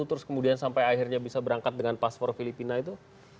terus kemudian sampai akhirnya bisa berangkat dengan paspor filipina itu